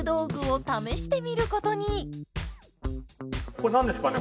これ何ですかね？